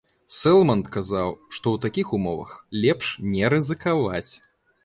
Сэлманд казаў, што ў такіх умовах лепш не рызыкаваць.